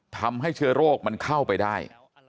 ทำให้เชื้อโรคมันเข้าไปได้